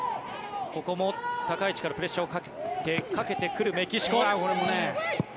ここも高い位置からプレッシャーをかけてくるメキシコ。